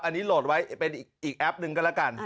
อันนี้โหลดไว้เป็นอีกแอปหนึ่งก็แล้วกัน